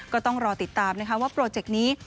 ก็ต้องรอติดตามนะคะว่าโปรเจกต์นี้